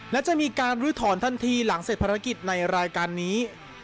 และจะมีการลื้อถอนทันทีหลังเสร็จภารกิจในรายการนี้